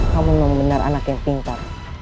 namun memang benar anak yang pintar